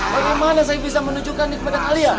bagaimana saya bisa menunjukkan ini kepada kalian